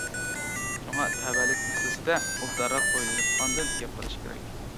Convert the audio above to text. شۇڭا تەۋەلىك مەسىلىسىدە ئوبدانراق ئويلىنىپ ئاندىن گەپ قىلىش كېرەك.